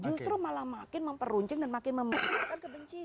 justru makin memperruncing dan memperlukan kebencian